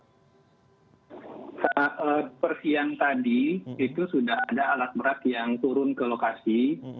saat persiang tadi itu sudah ada alat berat yang turun ke lokasi